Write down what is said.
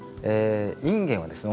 インゲンはですね